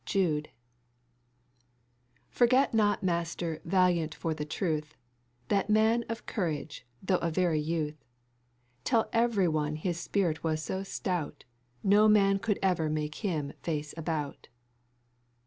Jude. "Forget not Master Valiant for the Truth, That man of courage, tho' a very youth. Tell every one his spirit was so stout, No man could ever make him face about."